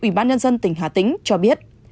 ủy ban nhân dân tỉnh hà tĩnh cho biết